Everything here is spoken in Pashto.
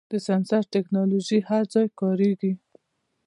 د سنسر ټکنالوژي هر ځای کارېږي.